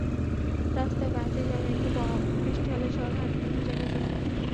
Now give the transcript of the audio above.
রাস্তায় বাতি জ্বলে না, একটু বৃষ্টি হলেই শহরে হাঁটুপানি জমে যায়।